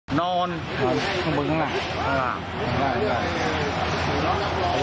อุ้มลูกสาวอายุขวบกว่าเองนะคะ